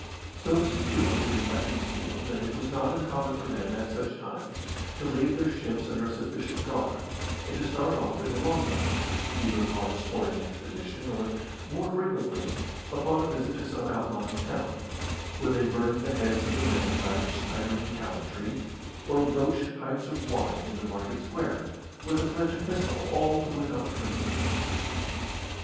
So secure did the captains feel, that it was not uncommon for them, at such times, to leave their ships under a sufficient guard, and to start off in the long boat, either upon a sporting expedition or, more frequently, upon a visit to some outlying town, where they burned the heads of the women by their swaggering gallantry, or broached pipes of wine in the market square, with a threat to pistol all who would not drink with them.